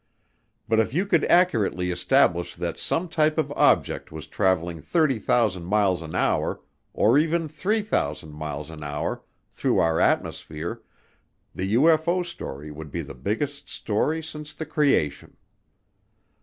But if you could accurately establish that some type of object was traveling 30,000 miles an hour or even 3,000 miles an hour through our atmosphere, the UFO story would be the biggest story since the Creation.